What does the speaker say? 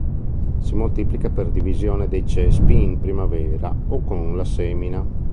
Si moltiplica per divisione dei cespi in primavera, o con la semina.